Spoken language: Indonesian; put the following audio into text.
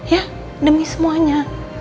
ya demi semuanya